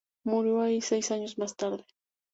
Murió allí seis años más tarde.